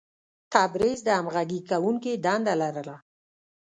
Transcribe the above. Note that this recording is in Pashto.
تبریز د همغږي کوونکي دنده لرله.